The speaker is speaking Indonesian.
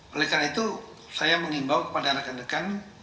oleh karena itu saya mengimbau kepada rekan rekan